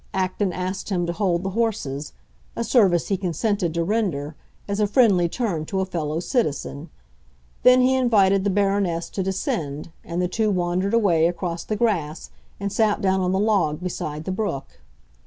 Acton asked him to hold the horses—a service he consented to render, as a friendly turn to a fellow citizen. Then he invited the Baroness to descend, and the two wandered away, across the grass, and sat down on the log beside the brook.